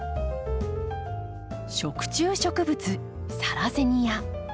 食虫植物サラセニア。